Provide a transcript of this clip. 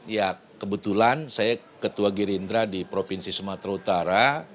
ya kebetulan saya ketua gerindra di provinsi sumatera utara